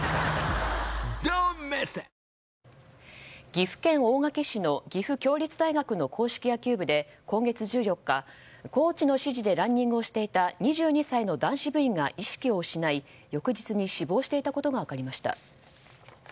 岐阜県大垣市の岐阜協立大学の硬式野球部で今月１４日コーチの指示でランニングをしていた２２歳の男子部員が意識を失い、翌日に死亡していたことが分かりました。